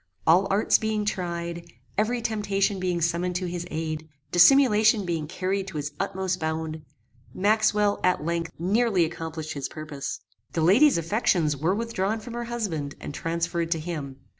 All arts being tried, every temptation being summoned to his aid, dissimulation being carried to its utmost bound, Maxwell, at length, nearly accomplished his purpose. The lady's affections were withdrawn from her husband and transferred to him.